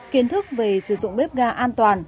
kiến thức về sử dụng bếp ga an toàn